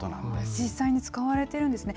実際に使われているんですね。